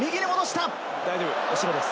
大丈夫、後ろです。